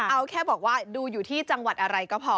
เอาแค่บอกว่าดูอยู่ที่จังหวัดอะไรก็พอ